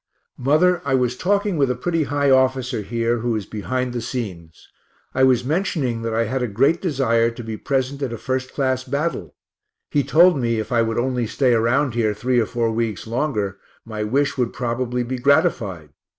Mother, I was talking with a pretty high officer here, who is behind the scenes I was mentioning that I had a great desire to be present at a first class battle; he told me if I would only stay around here three or four weeks longer my wish would probably be gratified.